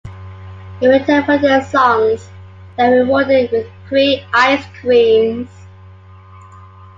In return for their songs, they are rewarded with free ice creams.